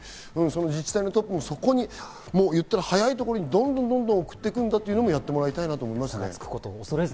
自治体のトップも、そこにいったら早いところにどんどん送っていくんだとやってもらいたいなと思いますね。